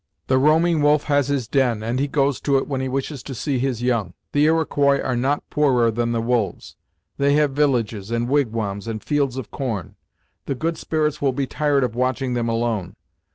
The roaming wolf has his den, and he goes to it when he wishes to see his young. The Iroquois are not poorer than the wolves. They have villages, and wigwams, and fields of corn; the Good Spirits will be tired of watching them alone.